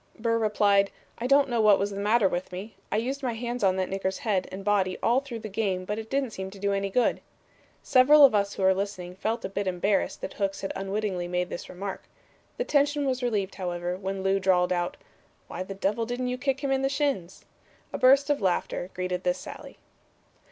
Burr replied, 'I don't know what was the matter with me. I used my hands on that nigger's head and body all through the game but it didn't seem to do any good.' Several of us who were listening felt a bit embarrassed that Hooks had unwittingly made this remark. The tension was relieved, however, when Lew drawled out, 'Why the devil didn't you kick him in the shins?' A burst of laughter greeted this sally."